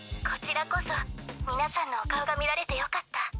こちらこそ皆さんのお顔が見られてよかった。